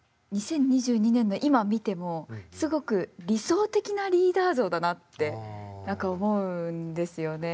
２０２２年の今見てもすごく理想的なリーダー像だなって何か思うんですよね。